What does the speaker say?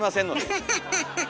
アハハハッ！